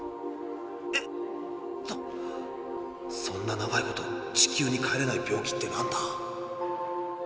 そんな長いこと地球に帰れない病気ってなんだ？